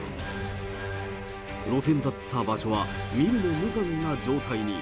露店だった場所は、見るも無残な状態に。